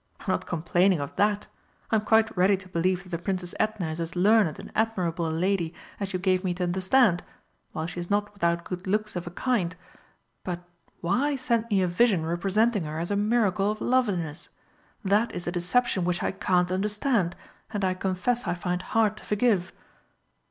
I'm not complaining of that I am quite ready to believe that the Princess Edna is as learned and admirable a lady as you gave me to understand, while she is not without good looks of a kind. But why send me a vision representing her as a miracle of loveliness? That is a deception which I can't understand, and I confess I find hard to forgive!"